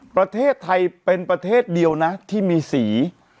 ประเทศไทยเป็นประเทศเดียวนะที่มีสี